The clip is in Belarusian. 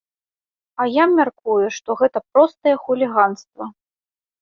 А я мяркую, што гэта простае хуліганства.